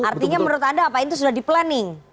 artinya menurut anda apa itu sudah di planning